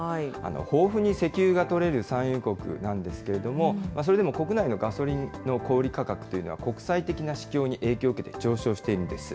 豊富に石油が採れる産油国なんですけれども、それでも国内のガソリンの小売り価格というのは、国際的な市況に影響を受けて、上昇しているんです。